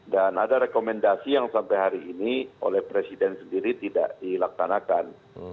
dan ada rekomendasi yang sampai hari ini oleh presiden sendiri tidak dilaktanakan